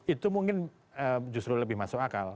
itu mungkin justru lebih masuk akal